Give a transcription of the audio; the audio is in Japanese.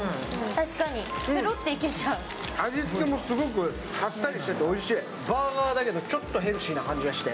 確かに、ぺろっといけちゃう味付けも、すごくあっさりしていておいしい。